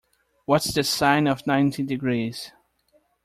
What's the sine of ninety degrees?